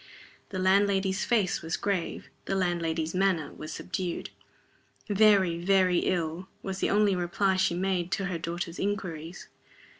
The landlady's face was grave, the landlady's manner was subdued. "Very, very ill," was the only reply she made to her daughter's inquiries.